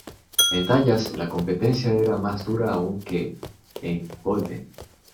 En Dallas la competencia era más dura aún que en Golden.